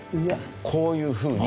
こういうふうに。